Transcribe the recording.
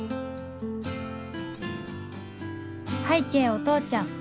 拝啓お父ちゃん